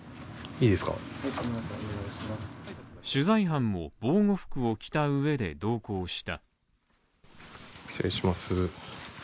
取材班も防護服を着た上で同行した。